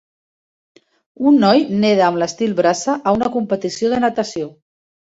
Un noi neda amb l"estil braça a una competició de natació.